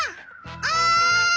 おい！